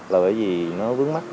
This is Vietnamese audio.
là bởi vì nó vướng mắt